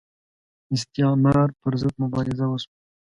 استعمار پر ضد مبارزه وشوه